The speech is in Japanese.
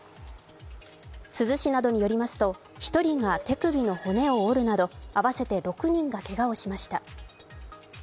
珠洲市などによりますと１人が手首の骨を折るなど合わせて６人がけがをしました。